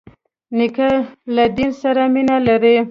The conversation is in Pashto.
نیکه له دین سره مینه لري.